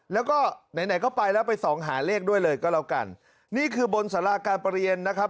แล้วก็ไหนไหนก็ไปแล้วไปส่องหาเลขด้วยเลยก็แล้วกันนี่คือบนสาราการประเรียนนะครับ